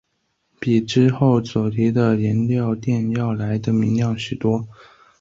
比之后所提的颜料靛要来得明亮许多。